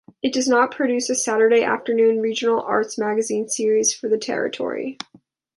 It does not produce a Saturday afternoon regional arts magazine series for the territory.